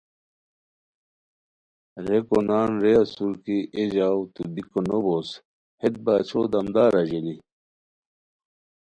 ریکو نان رے اسور کی اے ژاؤ تو بیکو نوبوس ہیت باچھو دامدار اژیلی